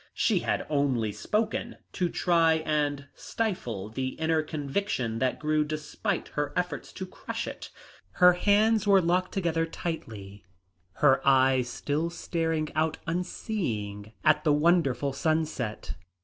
She had only spoken to try and stifle the inner conviction that grew despite her efforts to crush it. Her hands were locked together tightly, her eyes still staring out unseeing at the wonderful sunset.